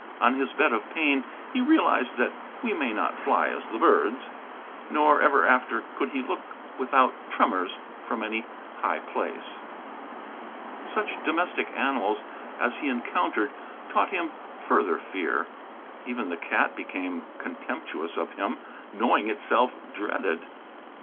On his bed of pain he realized that we may not fly as the birds; nor ever after could he look without tremors from any high place. Such domestic animals as he encountered taught him further fear. Even the cat became contemptuous of him, knowing itself dreaded.